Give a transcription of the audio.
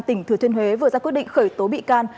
tỉnh thừa thiên huế vừa ra quyết định khởi tố bị can